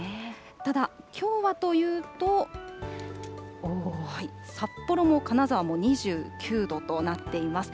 ただ、きょうはというと、札幌も金沢も２９度となっています。